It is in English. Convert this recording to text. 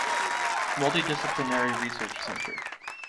Multidisciplinary Research Center.